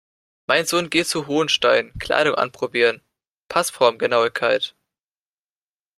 Mein Sohn geht zu Hohenstein, Kleidung anprobieren, Passformgenauigkeit.